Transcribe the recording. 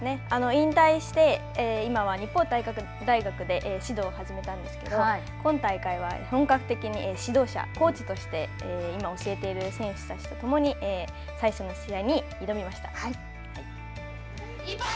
引退して今は日本体育大学で指導を始めたんですけど今大会は本格的に指導者、コーチとして今、教えている選手たちとともに最初の試合に挑みました。